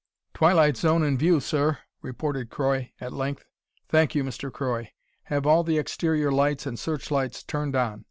"Twilight zone in view, sir," reported Croy at length. "Thank you, Mr. Croy. Have all the exterior lights and searchlights turned on.